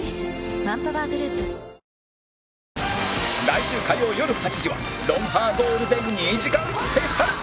来週火曜よる８時は『ロンハー』ゴールデン２時間スペシャル